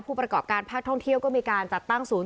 ประกอบการภาคท่องเที่ยวก็มีการจัดตั้งศูนย์